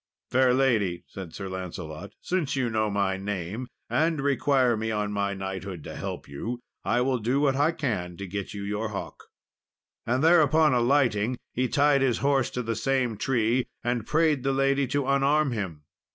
"Fair lady," said Sir Lancelot, "since you know my name, and require me, on my knighthood, to help you, I will do what I can to get your hawk." And thereupon alighting, he tied his horse to the same tree, and prayed the lady to unarm him.